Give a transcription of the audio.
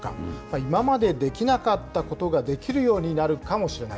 今までできなかったことが、できるようになるかもしれない。